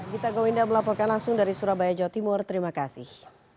gita gowinda melaporkan langsung dari surabaya jawa timur terima kasih